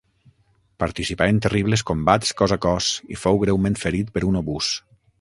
Participà en terribles combats cos a cos i fou greument ferit per un obús.